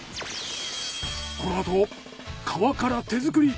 このあと皮から手作り。